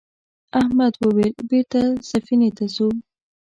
احمد وویل بېرته سفینې ته ځو.